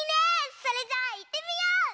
それじゃあいってみよう！